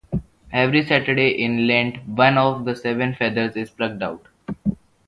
Every Saturday in Lent one of the seven feathers is plucked out.